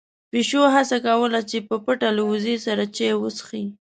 پيشو هڅه کوله چې په پټه له وزې سره چای وڅښي.